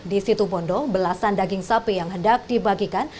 di situ bondo belasan daging sapi yang hendak dibagikan